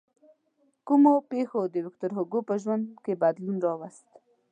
کومو پېښو د ویکتور هوګو په ژوند کې بدلون راوست.